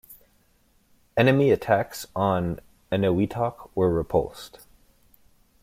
Enemy attacks on Eniwetok were repulsed.